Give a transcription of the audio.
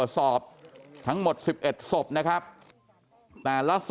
พ่อขออนุญาต